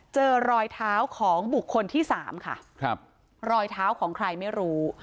เจอรอยเท้าของบุคคลที่สามค่ะครับรอยเท้าของใครไม่รู้